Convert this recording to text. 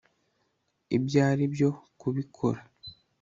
ibyo aribyo kubikora